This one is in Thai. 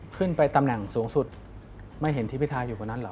ขึ้นไปตำแหน่งสูงสุดไม่เห็นที่พิทาอยู่กว่านั้นเหรอ